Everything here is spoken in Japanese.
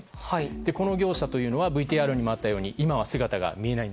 この業者はＶＴＲにもあったように今は姿が見えないと。